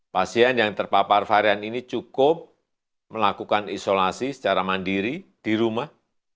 pasien yang terpapar varian ini cukup melakukan isolasi secara mandiri di rumah